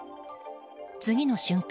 次の瞬間